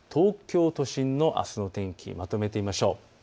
東京都心のあすの天気をまとめてみましょう。